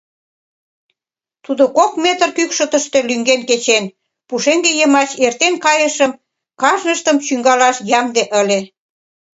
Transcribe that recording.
Тудо кок метр кӱкшытыштӧ лӱҥген кечен, пушеҥге йымач эртен кайышым кажныштым чӱҥгалаш ямде ыле.